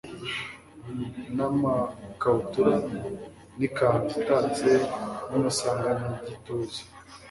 n'amakabutura, n'ikanzu itatse, n'umusanganyagituza